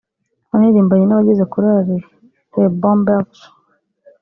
wanaririmbanye n’abagize Chorale Le Bon Berger